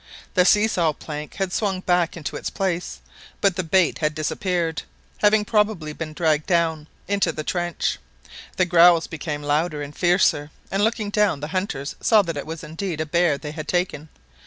The see saw plank had swung back into its place, but the bait had disappeared, having probably been dragged down, into the trench. The growls became louder and fiercer, and looking down the hunters saw that it was indeed a bear they had taken.